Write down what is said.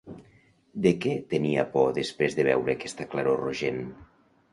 De què tenia por després de veure aquesta claror rogent?